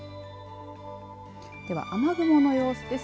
では雨雲の様子です。